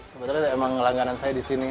sebenarnya memang langganan saya di sini